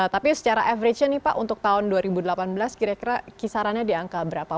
tapi secara average nya nih pak untuk tahun dua ribu delapan belas kira kira kisarannya di angka berapa